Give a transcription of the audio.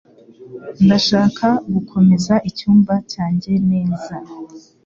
Ndashaka gukomeza icyumba cyanjye neza.